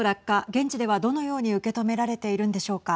現地ではどのように受け止められているんでしょうか。